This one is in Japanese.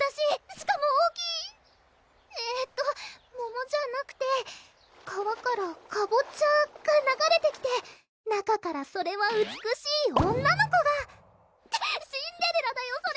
しかも大えっと桃じゃなくて川からかぼちゃが流れてきて中からそれは美しい女の子がってシンデレラだよそれ！